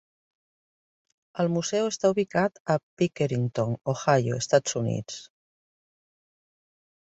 El museu està ubicat a Pickerington, Ohio, Estats Units.